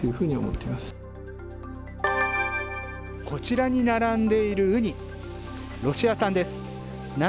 こちらに並んでいるウニ、ロシア産です。